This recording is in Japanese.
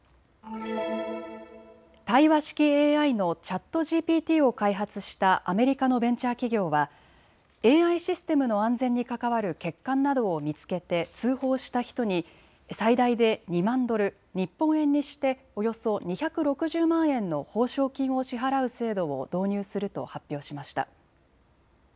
対話式ＡＩのＣｈａｔＧＰＴを開発したアメリカのベンチャー企業はＡＩシステムの安全に関わる欠陥などを見つけて通報した人に最大で２万ドル、日本円にしておよそ２６０万円の報奨金を支払う制度を導入すると発表しました。